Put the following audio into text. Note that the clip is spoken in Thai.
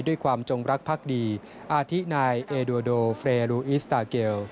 ด้วยความจงรักพลักษณ์ดีอาทินายเอดูโดฟรีรุอิสตาเกียล